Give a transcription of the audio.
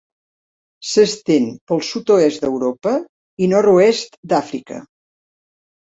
S'estén pel sud-oest d'Europa i nord-oest d'Àfrica.